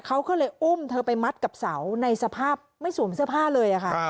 เขาก็เลยอุ้มเธอไปมัดกับเสาในสภาพไม่สวมเสื้อผ้าเลยค่ะ